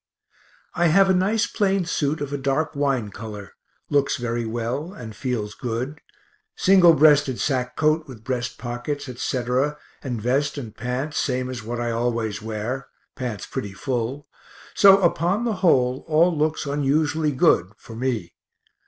I have a nice plain suit of a dark wine color; looks very well, and feels good single breasted sack coat with breast pockets, etc., and vest and pants same as what I always wear (pants pretty full), so upon the whole all looks unusually good for me.